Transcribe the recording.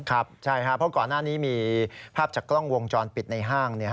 ครับใช่ครับเพราะก่อนหน้านี้มีภาพจากกล้องวงจรปิดในห้าง